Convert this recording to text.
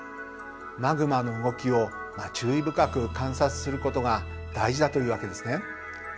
マグマの動きを注意深く観察することが大事だというわけですね。